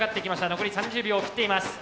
残り３０秒を切っています。